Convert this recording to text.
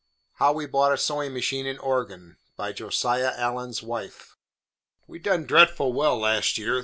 HOW WE BOUGHT A SEWIN' MACHINE AND ORGAN BY JOSIAH ALLEN'S WIFE We done dretful well last year.